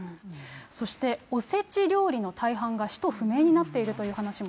そしておせち料理の大半が使途不明になっているという話も。